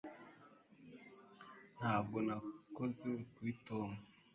ntabwo nakoze kuri tom